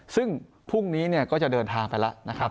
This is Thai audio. ซึ่งพรุ่งนี้ก็จะเดินทางไปแล้วนะครับ